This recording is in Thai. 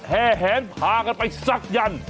แห่แหนพากันไปศักยันต์